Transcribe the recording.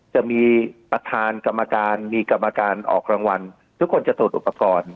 จะมีประธานกรรมการมีกรรมการออกรางวัลทุกคนจะตรวจอุปกรณ์